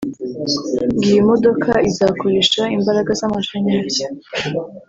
ngo iyo modoka izakoresha imbaraga z’amashanyarazi